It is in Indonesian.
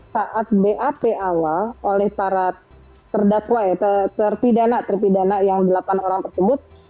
saat bap awal oleh para terdatwa ya terpidana terpidana yang delapan orang tersebut